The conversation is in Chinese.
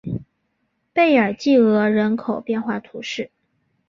贝尔济厄人口变化图示